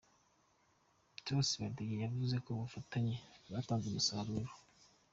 Theos Badege yavuze ko ubufatanye bwatanze umusaruro.